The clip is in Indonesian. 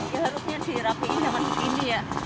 ya harusnya dirapiin jangan begini ya